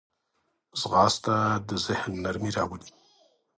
ځغاسته د ذهن نرمي راولي